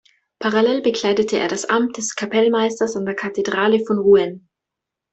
Parallel bekleidete er das Amt des Kapellmeisters an der Kathedrale von Rouen.